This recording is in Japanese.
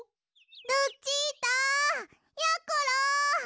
ルチータやころ！